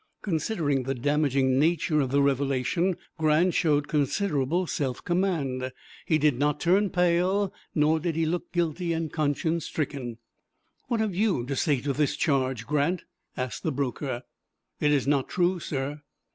Considering the damaging nature of the revelation, Grant showed considerable self command. He did not turn pale, nor did he look guilty and conscience stricken. "What have you to say to this charge, Grant?" asked the broker. "It is not true, sir."